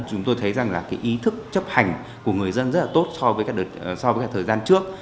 chúng tôi thấy rằng là cái ý thức chấp hành của người dân rất là tốt so với thời gian trước